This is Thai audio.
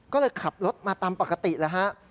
ก็เลยขับรถมาตามปกติแล้วฮะ